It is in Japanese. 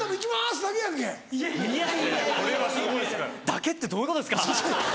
「だけ」ってどういうことですか！